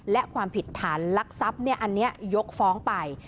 และความผิดฐานลักษับเนี่ยอันนี้ยกฟ้องไป